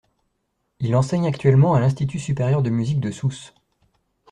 Il enseigne actuellement à l'Institut supérieur de musique de Sousse.